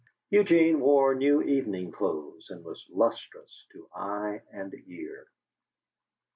Eugene wore new evening clothes and was lustrous to eye and ear.